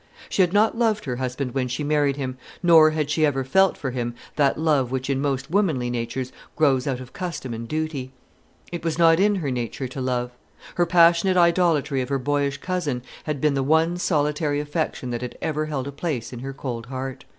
She had not loved her husband when she married him, nor had she ever felt for him that love which in most womanly natures grows out of custom and duty. It was not in her nature to love. Her passionate idolatry of her boyish cousin had been the one solitary affection that had ever held a place in her cold heart.